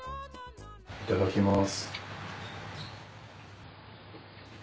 いただきます。